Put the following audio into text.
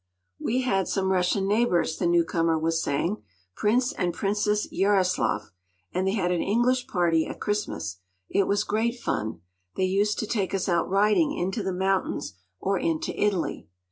“We had some Russian neighbours,” the newcomer was saying; “Prince and Princess Jaroslav; and they had an English party at Christmas. It was great fun. They used to take us out riding into the mountains, or into Italy.